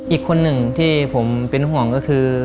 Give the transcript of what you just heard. อีกคนหนึ่งที่ผมเป็นห่วงก็คือ